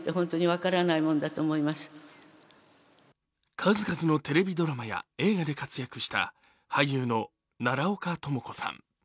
数々のテレビドラマや映画で活躍した俳優の奈良岡朋子さん。